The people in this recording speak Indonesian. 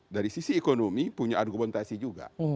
dari sisi ekonomi punya argumentasi juga